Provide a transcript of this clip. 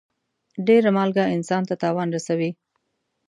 ډېر مالګه انسان ته تاوان رسوي.